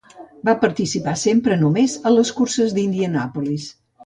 Va participar sempre només a les curses d'Indianapolis.